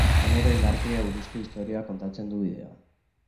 Genero-indarkeriari buruzko istorioa kontatzen du bideoan.